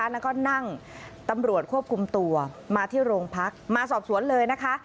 แล้วก็นั่งตำรวจควบคุมตัวมาที่โรงพักมาสอบสวนเลยนะคะ